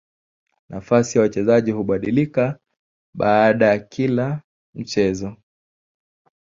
Nafasi ya wachezaji hubadilika baada ya kila mchezo.